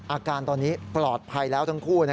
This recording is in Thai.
อาการตอนนี้ปลอดภัยแล้วทั้งคู่